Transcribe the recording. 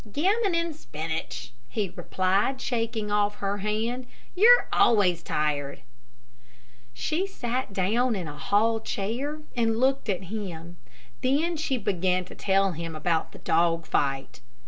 "Gammon and spinach," he replied, shaking off her hand, "you're always tired." She sat down in a hall chair and looked at him. Then she began to tell him about the dog fight.